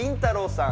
さん